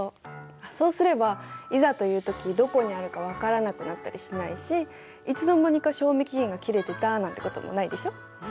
そうすればいざという時どこにあるか分からなくなったりしないしいつの間にか賞味期限が切れてたなんてこともないでしょ。